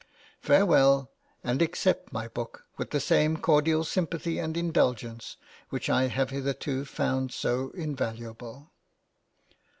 Farewell, and accept my book with the same cordial sympathy and indulgence which I have hitherto found so invaluable.